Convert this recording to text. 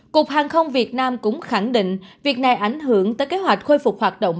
cục hàng không việt nam cũng khẳng định việc này ảnh hưởng tới kế hoạch khôi phục hoạt động